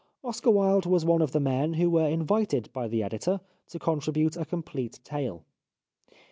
Oscar Wilde was one of the men who were in vited by the editor to contribute a complete tale.